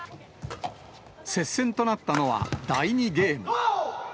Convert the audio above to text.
接戦となったのは第２ゲーム。